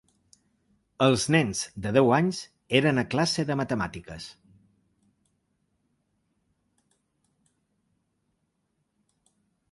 Els nens, de deu anys, eren a classe de matemàtiques.